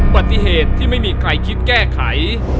ปฏิเหตุที่ไม่มีใครคิดแก้ไข